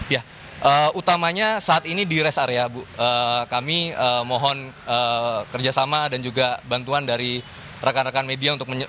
ya utamanya saat ini di rest area kami mohon kerjasama dan juga bantuan dari rekan rekan media